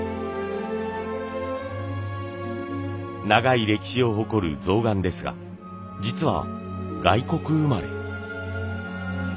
長い歴史を誇る象嵌ですが実は外国生まれ。